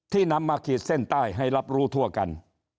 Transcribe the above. นำมาขีดเส้นใต้ให้รับรู้ทั่วกัน